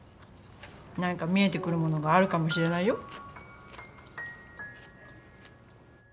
何か見えてくるものがあるかもしれないよ？